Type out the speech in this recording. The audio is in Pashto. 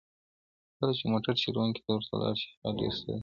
کله چې موټر چلونکی کور ته لاړ شي، هغه به ډېر ستړی وي.